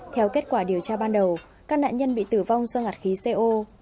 theo kết quả điều tra ban đầu các nạn nhân bị tử vong do ngạt khí co